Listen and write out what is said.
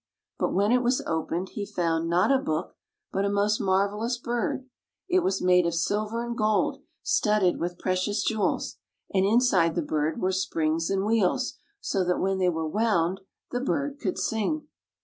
But when it was opened, he found, not a book, but a most marvelous bird. It was made of silver and gold, studded with precious jewels; and inside the bird were springs and wheels, so that when they were wound, the bird could sing.